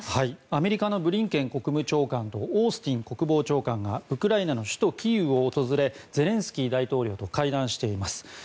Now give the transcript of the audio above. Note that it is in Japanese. アメリカのブリンケン国務長官とオースティン国防長官がウクライナの首都キーウを訪れゼレンスキー大統領と会談しています。